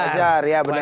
wajar ya benar